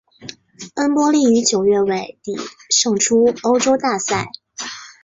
恩波利于九月尾底胜出欧洲大赛。